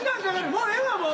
もうええわもう！